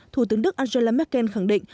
thủ tướng đức angela mccabe khẳng định